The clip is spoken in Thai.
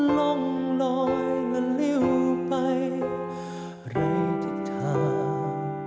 ล้องลอยและลิ้วไปไร้ติดทาง